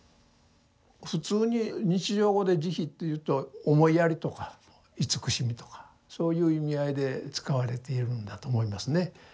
普通に日常語で「慈悲」というと「思いやり」とか「慈しみ」とかそういう意味合いで使われているんだと思いますね。